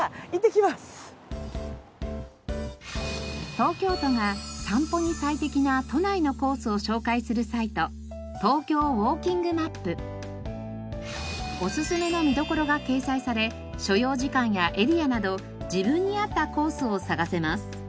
東京都が散歩に最適な都内のコースを紹介するサイトおすすめの見どころが掲載され所要時間やエリアなど自分に合ったコースを探せます。